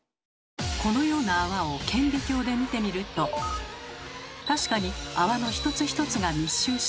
このような泡を顕微鏡で見てみると確かに泡の一つ一つが密集しています。